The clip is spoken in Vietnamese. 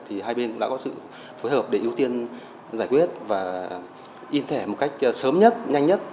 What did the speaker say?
thì hai bên cũng đã có sự phối hợp để ưu tiên giải quyết và in thẻ một cách sớm nhất nhanh nhất